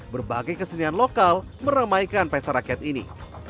berbagai kesenian lokal meramaikan pesta rakyat ini